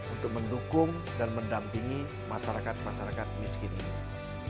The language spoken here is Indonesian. untuk mendukung dan mendampingi masyarakat masyarakat miskin ini